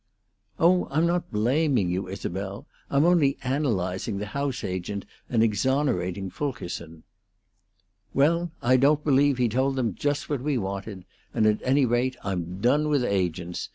"Oh, I'm not blaming you, Isabel. I'm only analyzing the house agent and exonerating Fulkerson." "Well, I don't believe he told them just what we wanted; and, at any rate, I'm done with agents.